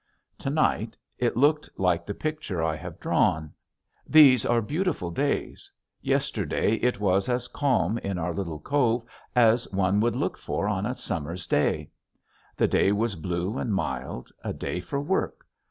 To night it looked like the picture I have drawn. These are beautiful days. Yesterday it was as calm in our little cove as one would look for on a summer's day. The day was blue and mild, a day for work.